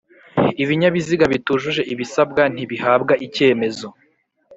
Ibinyabiziga bitujuje ibisabwa ntibihabwa icyemezo